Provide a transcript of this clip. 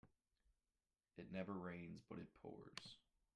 It never rains but it pours.